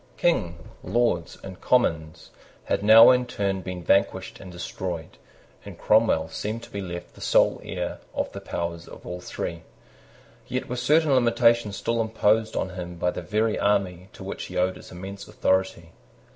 King, Lords, and Commons, had now in turn been vanquished and destroyed; and Cromwell seemed to be left the sole heir of the powers of all three. Yet were certain limitations still imposed on him by the very army to which he owed his immense authority.